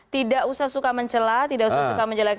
tidak usah suka mencelah tidak usah suka menjelek